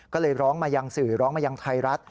ก็เลยร้องมายังสื่อร้องมายังไทยรัฐ